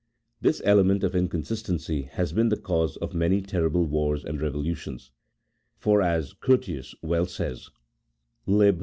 This element of inconsistency has been the cause of many terrible wars and revolutions ; for, as Curtius well says (Tib.